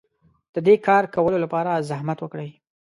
د دې کار کولو لپاره زحمت وکړئ.